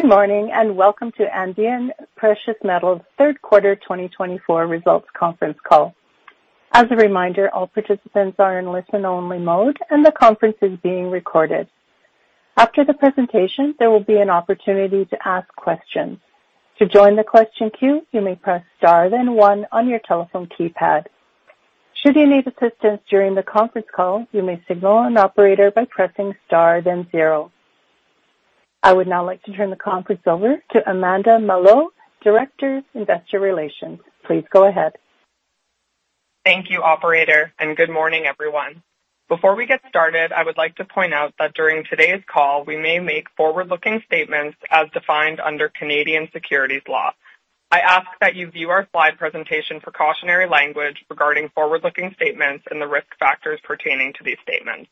Good morning and welcome to Andean Precious Metals third quarter 2024 results conference call. As a reminder, all participants are in listen-only mode and the conference is being recorded. After the presentation, there will be an opportunity to ask questions. To join the question queue, you may press star then one on your telephone keypad. Should you need assistance during the conference call, you may signal an operator by pressing star then zero. I would now like to turn the conference over to Amanda Mallough, Director of Investor Relations. Please go ahead. Thank you, Operator, and good morning, everyone. Before we get started, I would like to point out that during today's call, we may make forward-looking statements as defined under Canadian securities law. I ask that you view our slide presentation for cautionary language regarding forward-looking statements and the risk factors pertaining to these statements.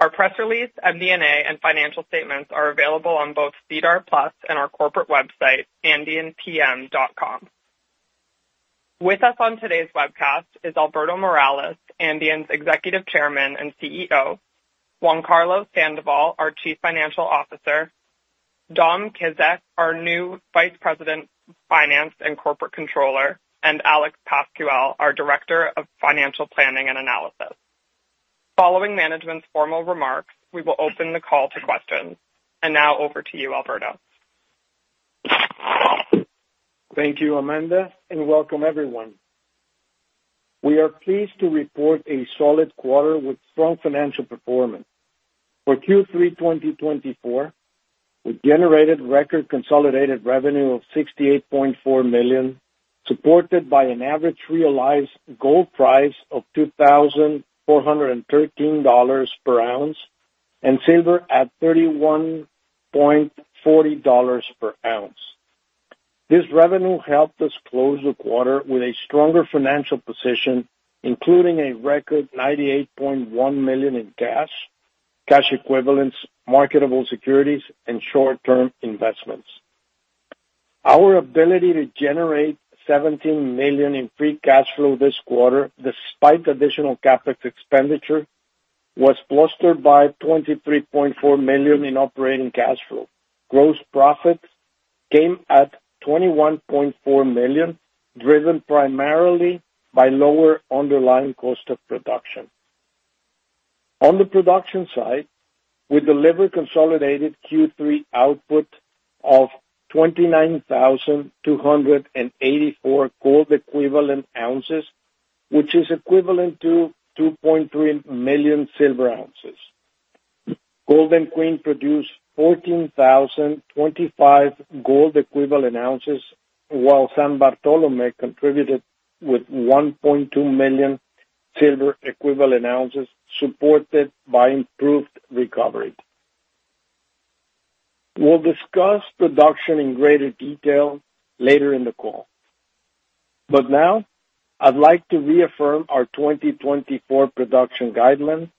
Our press release, MD&A, and financial statements are available on both SEDAR+ and our corporate website, AndeanPM.com. With us on today's webcast is Alberto Morales, Andean's Executive Chairman and CEO; Juan Carlos Sandoval, our Chief Financial Officer; Dominic Kizek, our new Vice President of Finance and Corporate Controller; and Alex Pascual, our Director of Financial Planning and Analysis. Following management's formal remarks, we will open the call to questions. And now over to you, Alberto. Thank you, Amanda, and welcome everyone. We are pleased to report a solid quarter with strong financial performance. For Q3 2024, we generated record consolidated revenue of $68.4 million, supported by an average realized gold price of $2,413 per ounce and silver at $31.40 per ounce. This revenue helped us close the quarter with a stronger financial position, including a record $98.1 million in cash, cash equivalents, marketable securities, and short-term investments. Our ability to generate $17 million in free cash flow this quarter, despite additional CapEx expenditure, was bolstered by $23.4 million in operating cash flow. Gross profit came at $21.4 million, driven primarily by lower underlying cost of production. On the production side, we delivered consolidated Q3 output of 29,284 gold equivalent ounces, which is equivalent to 2.3 million silver ounces. Golden Queen produced 14,025 gold equivalent ounces, while San Bartolomé contributed with 1.2 million silver equivalent ounces, supported by improved recovery. We'll discuss production in greater detail later in the call. But now, I'd like to reaffirm our 2024 production guidelines,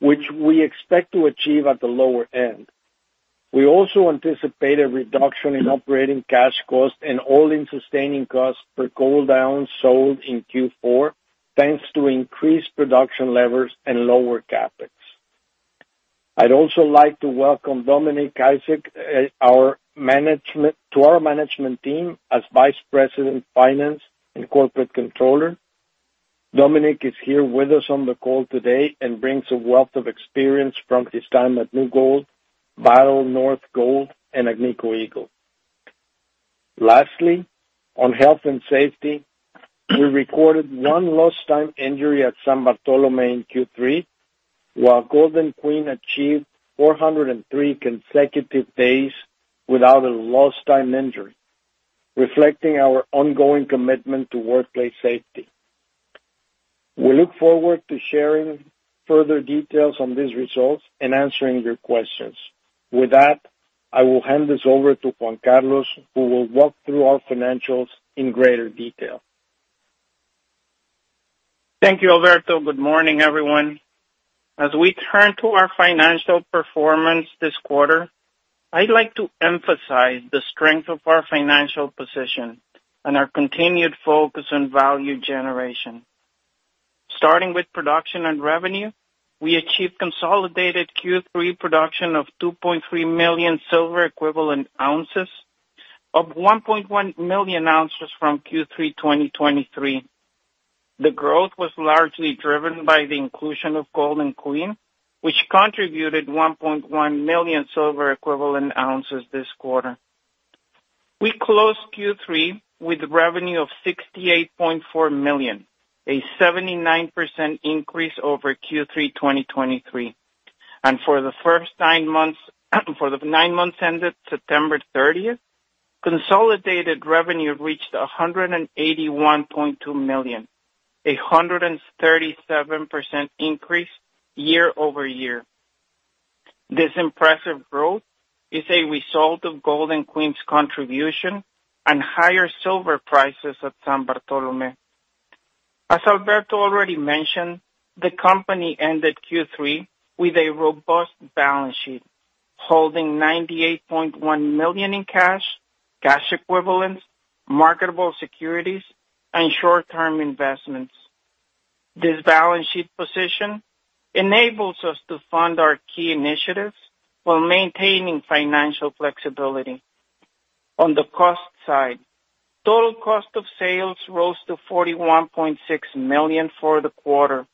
which we expect to achieve at the lower end. We also anticipate a reduction in operating cash cost and all-in sustaining costs per gold ounce sold in Q4, thanks to increased production levers and lower CapEx. I'd also like to welcome Dominic Kizek to our management team as Vice President of Finance and Corporate Controller. Dominic is here with us on the call today and brings a wealth of experience from his time at New Gold, Victoria Gold, and Agnico Eagle. Lastly, on health and safety, we recorded one lost time injury at San Bartolomé in Q3, while Golden Queen achieved 403 consecutive days without a lost time injury, reflecting our ongoing commitment to workplace safety. We look forward to sharing further details on these results and answering your questions. With that, I will hand this over to Juan Carlos, who will walk through our financials in greater detail. Thank you, Alberto. Good morning, everyone. As we turn to our financial performance this quarter, I'd like to emphasize the strength of our financial position and our continued focus on value generation. Starting with production and revenue, we achieved consolidated Q3 production of 2.3 million silver equivalent ounces, up 1.1 million ounces from Q3 2023. The growth was largely driven by the inclusion of Golden Queen, which contributed 1.1 million silver equivalent ounces this quarter. We closed Q3 with revenue of $68.4 million, a 79% increase over Q3 2023, and for the first nine months ended September 30th, consolidated revenue reached $181.2 million, a 137% increase year over year. This impressive growth is a result of Golden Queen's contribution and higher silver prices at San Bartolomé. As Alberto already mentioned, the company ended Q3 with a robust balance sheet, holding $98.1 million in cash, cash equivalents, marketable securities, and short-term investments. This balance sheet position enables us to fund our key initiatives while maintaining financial flexibility. On the cost side, total cost of sales rose to $41.6 million for the quarter,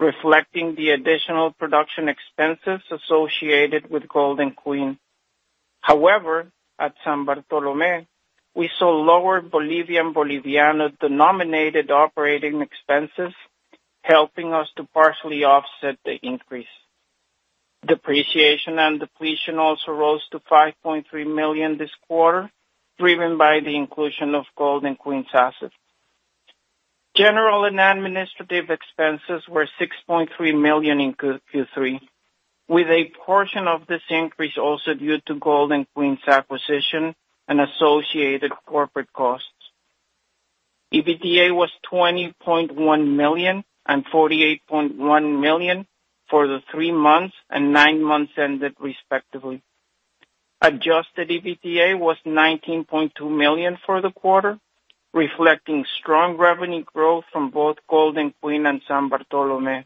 reflecting the additional production expenses associated with Golden Queen. However, at San Bartolomé, we saw lower Bolivian-Boliviano-denominated operating expenses, helping us to partially offset the increase. Depreciation and depletion also rose to $5.3 million this quarter, driven by the inclusion of Golden Queen's assets. General and administrative expenses were $6.3 million in Q3, with a portion of this increase also due to Golden Queen's acquisition and associated corporate costs. EBITDA was $20.1 million and $48.1 million for the three months and nine months ended, respectively. Adjusted EBITDA was $19.2 million for the quarter, reflecting strong revenue growth from both Golden Queen and San Bartolomé.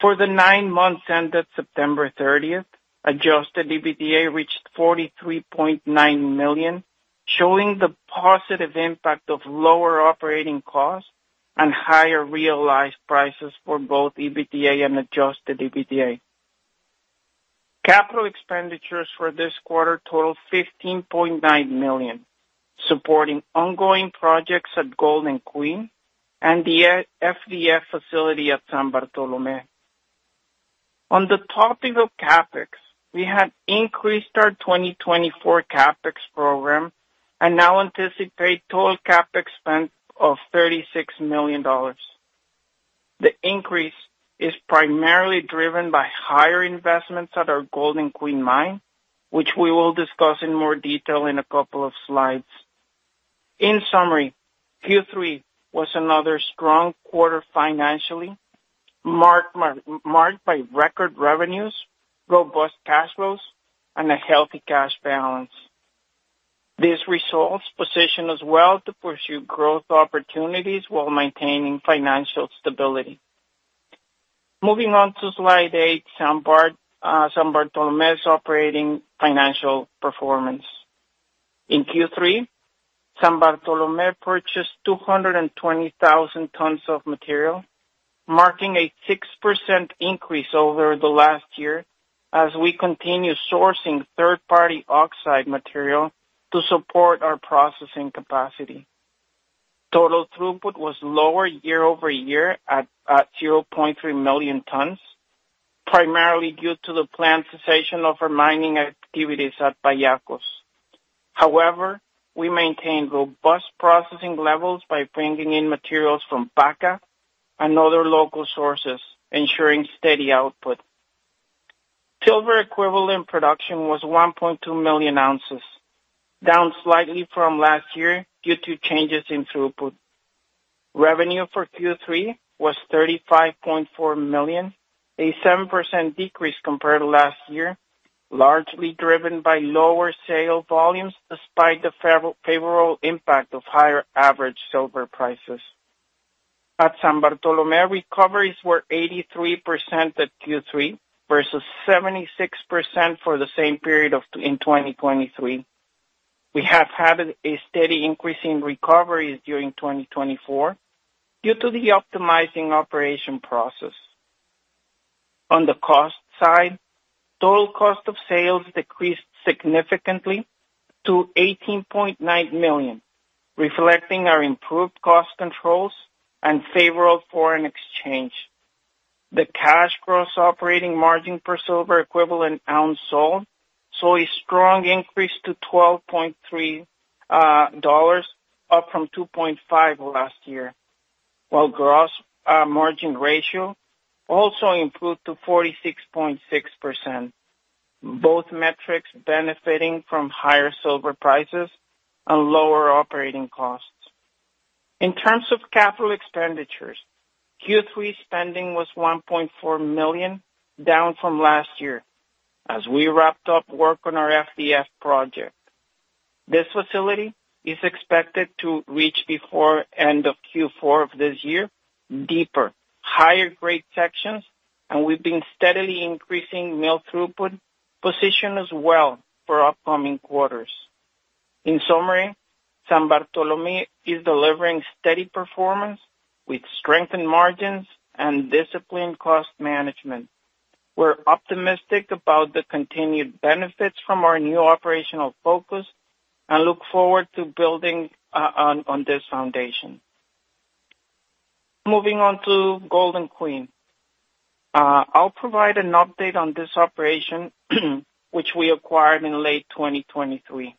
For the nine months ended September 30th, adjusted EBITDA reached $43.9 million, showing the positive impact of lower operating costs and higher realized prices for both EBITDA and adjusted EBITDA. Capital expenditures for this quarter totaled $15.9 million, supporting ongoing projects at Golden Queen and the FDF facility at San Bartolomé. On the topic of CapEx, we had increased our 2024 CapEx program and now anticipate total CapEx spend of $36 million. The increase is primarily driven by higher investments at our Golden Queen mine, which we will discuss in more detail in a couple of slides. In summary, Q3 was another strong quarter financially, marked by record revenues, robust cash flows, and a healthy cash balance. These results position us well to pursue growth opportunities while maintaining financial stability. Moving on to slide eight, San Bartolomé's operating financial performance. In Q3, San Bartolomé purchased 220,000 tons of material, marking a 6% increase over the last year as we continue sourcing third-party oxide material to support our processing capacity. Total throughput was lower year over year at 0.3 million tons, primarily due to the planned cessation of our mining activities at Pallacos. However, we maintained robust processing levels by bringing in materials from Paca and other local sources, ensuring steady output. Silver equivalent production was 1.2 million ounces, down slightly from last year due to changes in throughput. Revenue for Q3 was $35.4 million, a 7% decrease compared to last year, largely driven by lower sale volumes despite the favorable impact of higher average silver prices. At San Bartolomé, recoveries were 83% at Q3 versus 76% for the same period in 2023. We have had a steady increase in recoveries during 2024 due to the optimizing operation process. On the cost side, total cost of sales decreased significantly to $18.9 million, reflecting our improved cost controls and favorable foreign exchange. The cash gross operating margin per silver equivalent ounce sold saw a strong increase to $12.3, up from $2.5 last year, while gross margin ratio also improved to 46.6%. Both metrics benefiting from higher silver prices and lower operating costs. In terms of capital expenditures, Q3 spending was $1.4 million, down from last year, as we wrapped up work on our FDF project. This facility is expected to reach, before end of Q4 of this year, deeper, higher-grade sections, and we've been steadily increasing mill throughput position as well for upcoming quarters. In summary, San Bartolomé is delivering steady performance with strengthened margins and disciplined cost management. We're optimistic about the continued benefits from our new operational focus and look forward to building on this foundation. Moving on to Golden Queen, I'll provide an update on this operation, which we acquired in late 2023.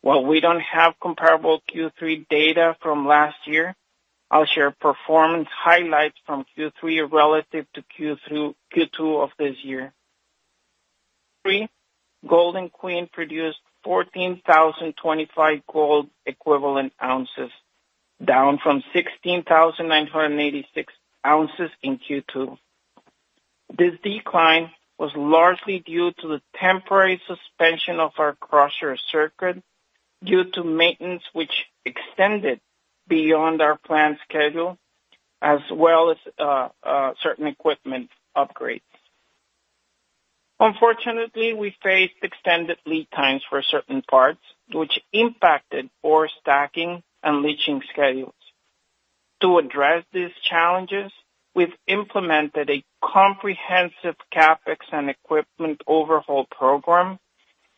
While we don't have comparable Q3 data from last year, I'll share performance highlights from Q3 relative to Q2 of this year. Golden Queen produced 14,025 gold equivalent ounces, down from 16,986 ounces in Q2. This decline was largely due to the temporary suspension of our crusher circuit due to maintenance, which extended beyond our planned schedule, as well as certain equipment upgrades. Unfortunately, we faced extended lead times for certain parts, which impacted our stacking and leaching schedules. To address these challenges, we've implemented a comprehensive CapEx and equipment overhaul program,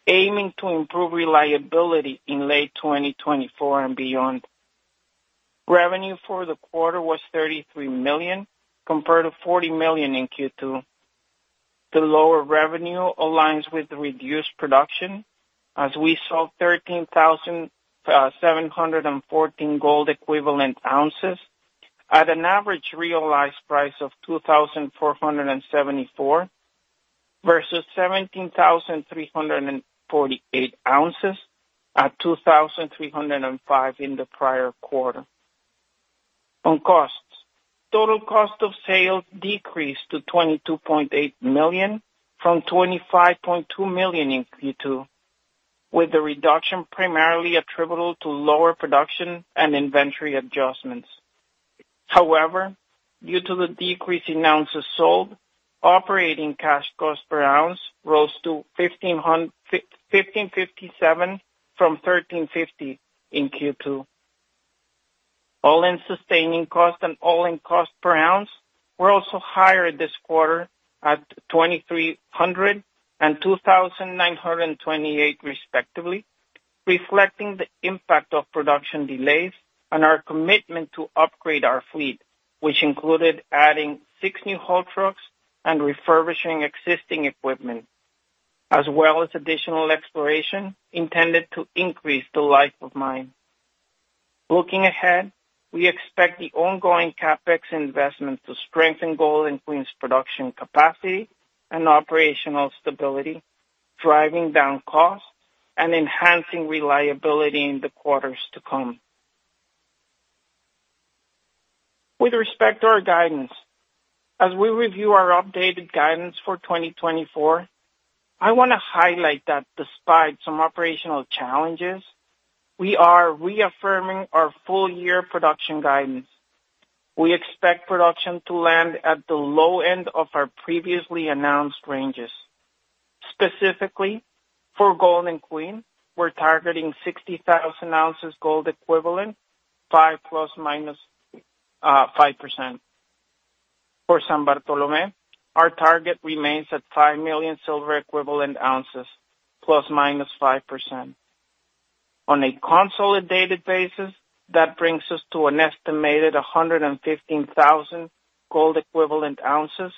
aiming to improve reliability in late 2024 and beyond. Revenue for the quarter was $33 million, compared to $40 million in Q2. The lower revenue aligns with reduced production, as we sold 13,714 gold equivalent ounces at an average realized price of $2,474 versus 17,348 ounces at $2,305 in the prior quarter. On costs, total cost of sales decreased to $22.8 million from $25.2 million in Q2, with the reduction primarily attributable to lower production and inventory adjustments. However, due to the decrease in ounces sold, operating cash cost per ounce rose to $1,557 from $1,350 in Q2. All-in sustaining cost and all-in cost per ounce were also higher this quarter at $2,300 and $2,928, respectively, reflecting the impact of production delays and our commitment to upgrade our fleet, which included adding six new haul trucks and refurbishing existing equipment, as well as additional exploration intended to increase the life of mine. Looking ahead, we expect the ongoing CapEx investment to strengthen Golden Queen's production capacity and operational stability, driving down costs and enhancing reliability in the quarters to come. With respect to our guidance, as we review our updated guidance for 2024, I want to highlight that despite some operational challenges, we are reaffirming our full-year production guidance. We expect production to land at the low end of our previously announced ranges. Specifically, for Golden Queen, we're targeting 60,000 ounces gold equivalent, five plus minus 5%. For San Bartolomé, our target remains at five million silver equivalent ounces, plus minus 5%. On a consolidated basis, that brings us to an estimated 115,000 gold equivalent ounces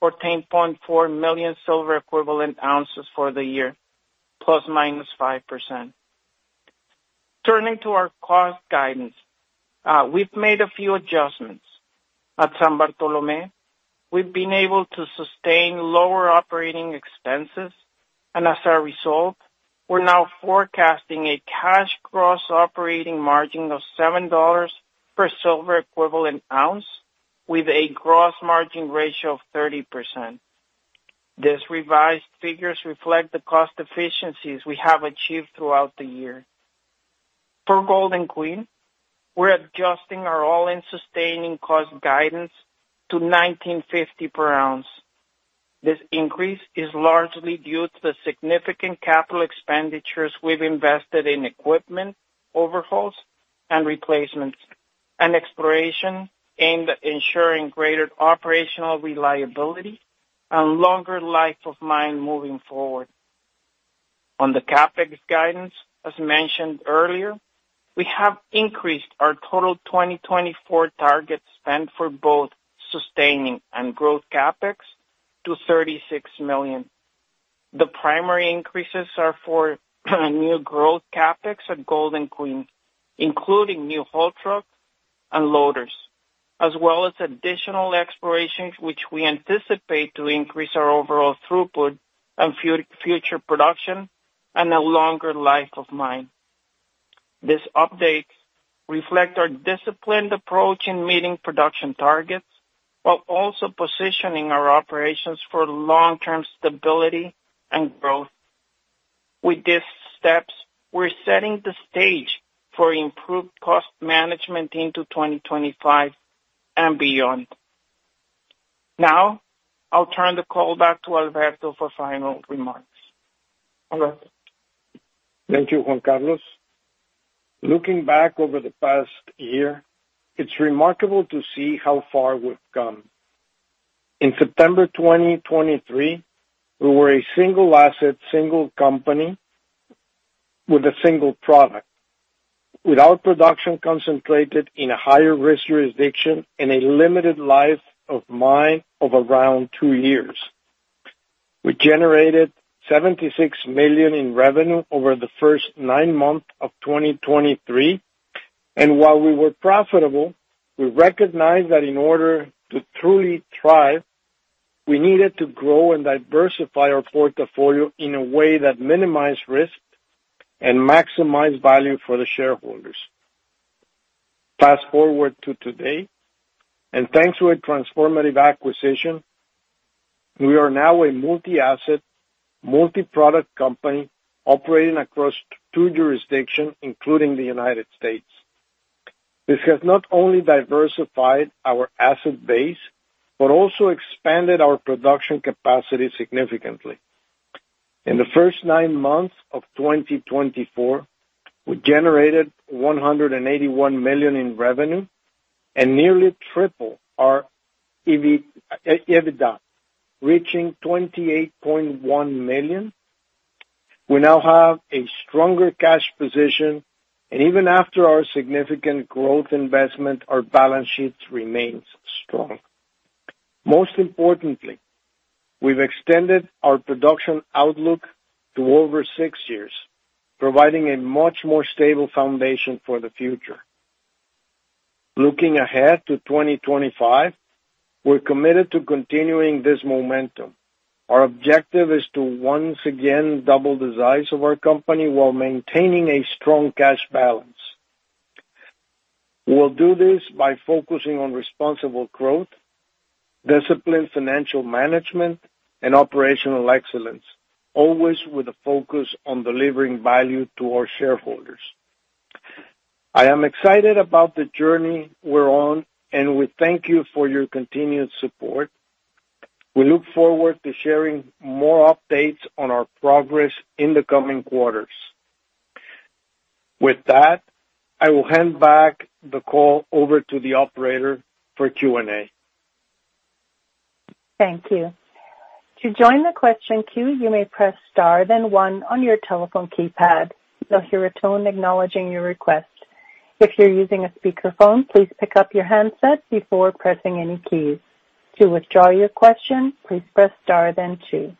or 10.4 million silver equivalent ounces for the year, plus minus 5%. Turning to our cost guidance, we've made a few adjustments. At San Bartolomé, we've been able to sustain lower operating expenses, and as a result, we're now forecasting a cash gross operating margin of $7 per silver equivalent ounce, with a gross margin ratio of 30%. This revised figure reflects the cost efficiencies we have achieved throughout the year. For Golden Queen, we're adjusting our all-in sustaining cost guidance to $1,950 per ounce. This increase is largely due to the significant capital expenditures we've invested in equipment overhauls and replacements, and exploration aimed at ensuring greater operational reliability and longer life of mine moving forward. On the CapEx guidance, as mentioned earlier, we have increased our total 2024 target spend for both sustaining and growth CapEx to $36 million. The primary increases are for new growth CapEx at Golden Queen, including new haul trucks and loaders, as well as additional exploration, which we anticipate to increase our overall throughput and future production and a longer life of mine. These updates reflect our disciplined approach in meeting production targets while also positioning our operations for long-term stability and growth. With these steps, we're setting the stage for improved cost management into 2025 and beyond. Now, I'll turn the call back to Alberto for final remarks. Alberto. Thank you, Juan Carlos. Looking back over the past year, it's remarkable to see how far we've come. In September 2023, we were a single asset, single company with a single product, with our production concentrated in a higher-risk jurisdiction and a limited life of mine of around two years. We generated $76 million in revenue over the first nine months of 2023, and while we were profitable, we recognized that in order to truly thrive, we needed to grow and diversify our portfolio in a way that minimized risk and maximized value for the shareholders. Fast forward to today, and thanks to a transformative acquisition, we are now a multi-asset, multi-product company operating across two jurisdictions, including the United States. This has not only diversified our asset base but also expanded our production capacity significantly. In the first nine months of 2024, we generated $181 million in revenue and nearly tripled our EBITDA, reaching $28.1 million. We now have a stronger cash position, and even after our significant growth investment, our balance sheet remains strong. Most importantly, we've extended our production outlook to over six years, providing a much more stable foundation for the future. Looking ahead to 2025, we're committed to continuing this momentum. Our objective is to once again double the size of our company while maintaining a strong cash balance. We'll do this by focusing on responsible growth, disciplined financial management, and operational excellence, always with a focus on delivering value to our shareholders. I am excited about the journey we're on, and we thank you for your continued support. We look forward to sharing more updates on our progress in the coming quarters. With that, I will hand back the call over to the operator for Q&A. Thank you. To join the question queue, you may press star then one on your telephone keypad. You'll hear a tone acknowledging your request. If you're using a speakerphone, please pick up your handset before pressing any keys. To withdraw your question, please press star then two.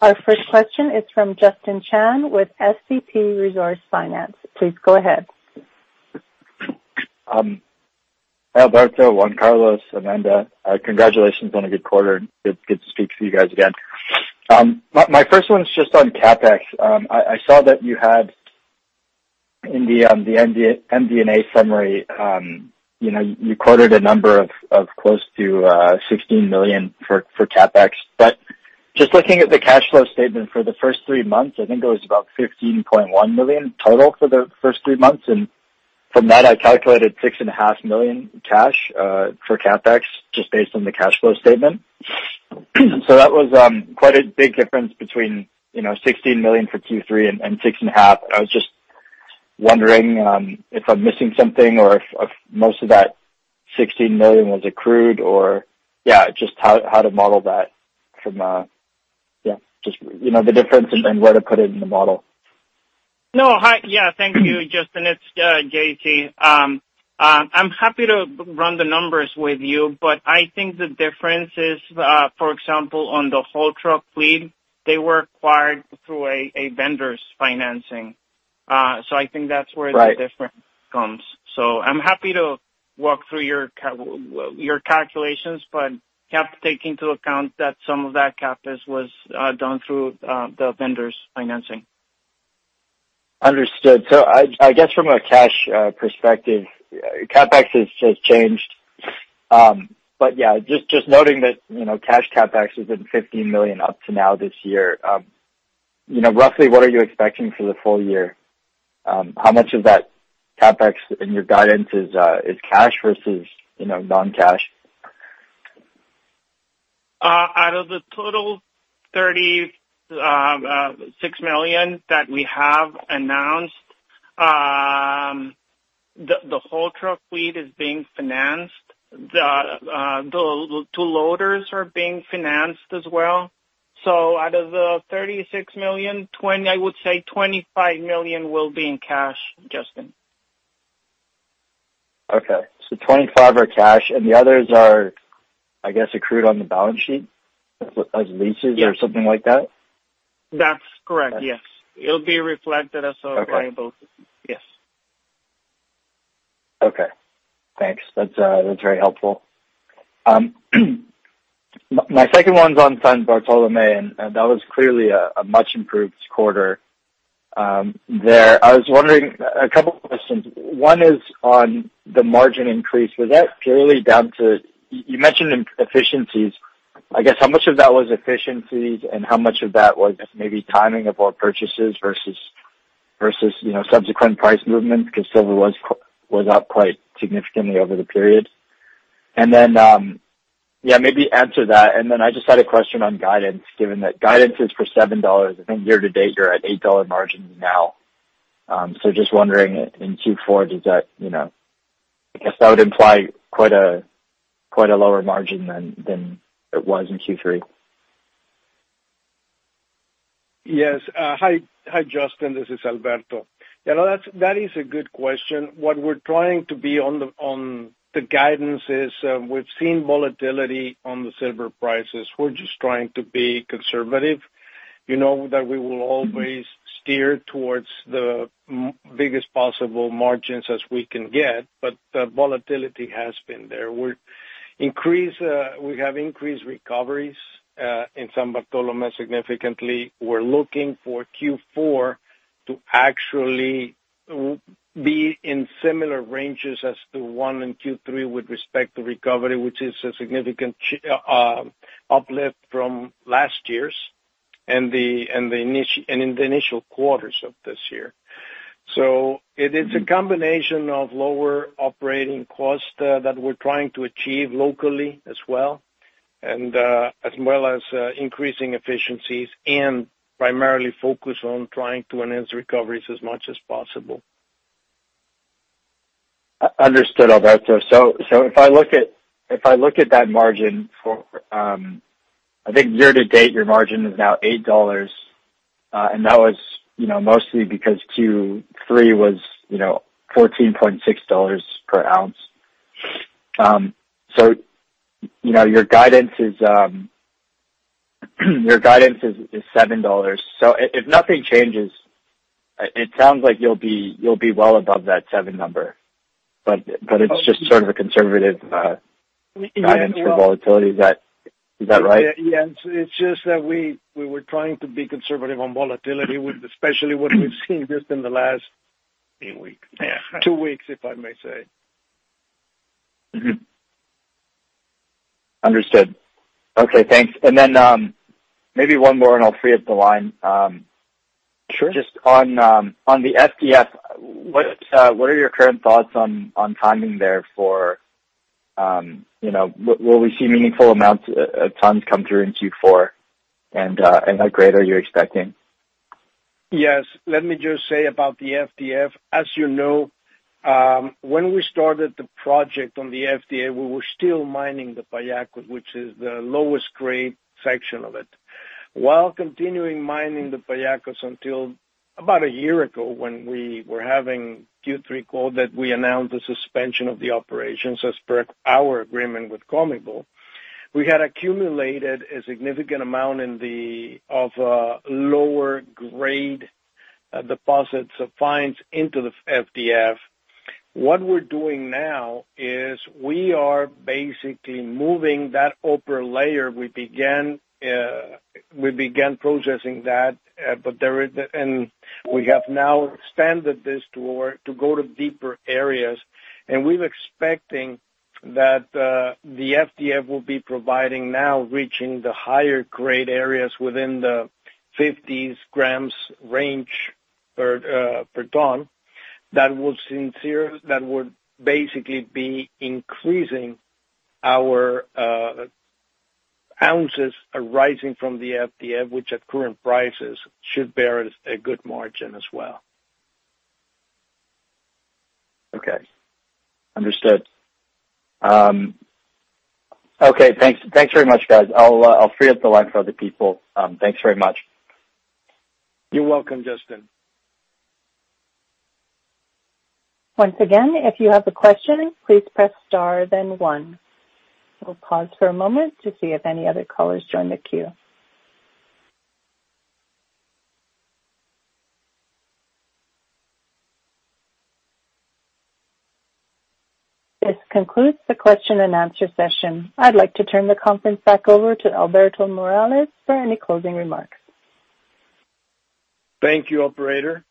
Our first question is from Justin Chan with SCP Resource Finance. Please go ahead. Alberto, Juan Carlos, Amanda, congratulations on a good quarter. It's good to speak to you guys again. My first one is just on CapEx. I saw that you had in the MD&A summary, you quoted a number of close to $16 million for CapEx. But just looking at the cash flow statement for the first three months, I think it was about $15.1 million total for the first three months. And from that, I calculated $6.5 million cash for CapEx just based on the cash flow statement. So that was quite a big difference between $16 million for Q3 and $6.5. I was just wondering if I'm missing something or if most of that $16 million was accrued or, yeah, just how to model that from, yeah, just the difference and where to put it in the model. No, yeah, thank you, Justin. It's JC. I'm happy to run the numbers with you, but I think the difference is, for example, on the haul truck fleet, they were acquired through a vendor's financing. So I think that's where the difference comes. So I'm happy to walk through your calculations, but you have to take into account that some of that CapEx was done through the vendor's financing. Understood. So I guess from a cash perspective, CapEx has changed. But yeah, just noting that cash CapEx has been $15 million up to now this year. Roughly, what are you expecting for the full year? How much of that CapEx in your guidance is cash versus non-cash? Out of the total $36 million that we have announced, the haul truck fleet is being financed. The two loaders are being financed as well. So out of the $36 million, I would say $25 million will be in cash, Justin. Okay. So $25 million are cash, and the others are, I guess, accrued on the balance sheet as leases or something like that? That's correct, yes. It'll be reflected as a liability. Yes. Okay. Thanks. That's very helpful. My second one's on San Bartolomé, and that was clearly a much-improved quarter there. I was wondering a couple of questions. One is on the margin increase. Was that purely down to, you mentioned efficiencies. I guess how much of that was efficiencies and how much of that was maybe timing of our purchases versus subsequent price movements because silver was up quite significantly over the period? And then, yeah, maybe answer that. And then I just had a question on guidance, given that guidance is for $7. I think year-to-date, you're at $8 margins now. So just wondering in Q4, does that—I guess that would imply quite a lower margin than it was in Q3. Yes. Hi, Justin. This is Alberto. That is a good question. What we're trying to be on the guidance is we've seen volatility on the silver prices. We're just trying to be conservative, that we will always steer towards the biggest possible margins as we can get. But the volatility has been there. We have increased recoveries in San Bartolomé significantly. We're looking for Q4 to actually be in similar ranges as to one in Q3 with respect to recovery, which is a significant uplift from last year's and in the initial quarters of this year, so it is a combination of lower operating costs that we're trying to achieve locally as well, as well as increasing efficiencies and primarily focus on trying to enhance recoveries as much as possible. Understood, Alberto, so if I look at that margin, I think year-to-date, your margin is now $8, and that was mostly because Q3 was $14.6 per ounce, so your guidance is $7, so if nothing changes, it sounds like you'll be well above that 7 number, but it's just sort of a conservative guidance for volatility. Is that right? Yeah. It's just that we were trying to be conservative on volatility, especially what we've seen just in the last two weeks, if I may say. Understood. Okay. Thanks. And then maybe one more, and I'll free up the line. Just on the FDF, what are your current thoughts on timing there for will we see meaningful amounts of tons come through in Q4, and how great are you expecting? Yes. Let me just say about the FDF. As you know, when we started the project on the FDF, we were still mining the Pallaco, which is the lowest grade section of it. While continuing mining the Pallacos until about a year ago when we were in Q3 2023 that we announced the suspension of the operations as per our agreement with COMIBOL, we had accumulated a significant amount of lower-grade deposits of fines into the FDF. What we're doing now is we are basically moving that upper layer. We began processing that, and we have now expanded this to go to deeper areas, and we're expecting that the FDF will be providing now reaching the higher-grade areas within the 50 grams range per ton that would basically be increasing our ounces arising from the FDF, which at current prices should bear a good margin as well. Okay. Understood. Okay. Thanks very much, guys. I'll free up the line for other people. Thanks very much. You're welcome, Justin. Once again, if you have a question, please press star then one. We'll pause for a moment to see if any other callers join the queue. This concludes the question and answer session. I'd like to turn the conference back over to Alberto Morales for any closing remarks. Thank you, Operator.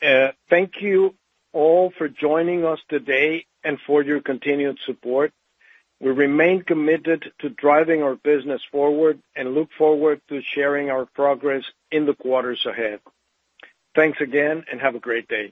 Thank you all for joining us today and for your continued support. We remain committed to driving our business forward and look forward to sharing our progress in the quarters ahead. Thanks again, and have a great day.